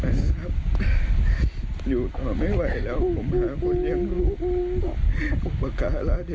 โอ้โหขอโทษค่ะ